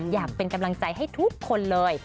อยากเป็นกำลังใจให้ทุกคนเลย